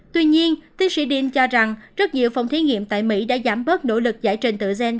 tuy nhiên tiến sĩ din cho rằng rất nhiều phòng thí nghiệm tại mỹ đã giảm bớt nỗ lực giải trình tự gen